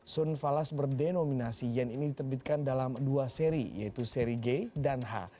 sun falas berdenominasi yen ini diterbitkan dalam dua seri yaitu seri g dan h